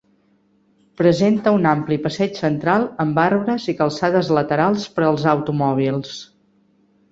Presenta un ampli passeig central amb arbres i calçades laterals per als automòbils.